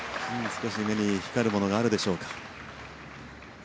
少し目に光るものがあるでしょうか。